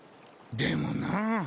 でもな。